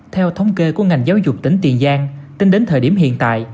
theo thống kê của ngành giáo dục tỉnh tiền giang tính đến thời điểm hiện tại